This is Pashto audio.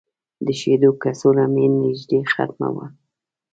د شیدو کڅوړه مې نږدې ختمه وه.